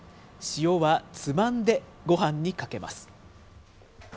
塩はつまんで、ごはんにかけます。